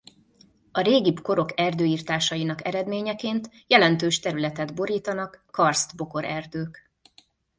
A régibb korok erdőirtásainak eredményeként jelentős területet borítanak karsztbokorerdők.